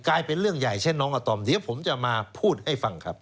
กลายเป็นเรื่องใหญ่เช่นน้องอาตอมเดี๋ยวผมจะมาพูดให้ฟังครับ